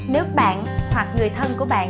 nếu bạn hoặc người thân của bạn